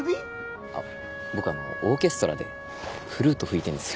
あっ僕オーケストラでフルート吹いてんですよ。